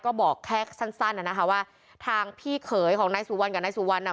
ก็บอกแค่สั้นนะคะว่าทางพี่เขยของนายสุวรรณกับนายสุวรรณอ่ะ